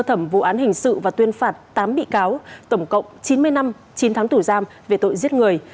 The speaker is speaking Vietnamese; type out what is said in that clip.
thẩm vụ án hình sự và tuyên phạt tám bị cáo về tội giết người